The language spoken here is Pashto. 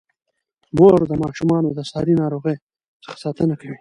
مور د ماشومانو د ساري ناروغیو څخه ساتنه کوي.